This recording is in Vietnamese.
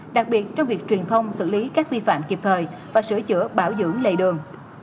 đặc biệt trong việc truyền thông xử lý các vi phạm kịp thời và sửa chữa bảo dưỡng lề đường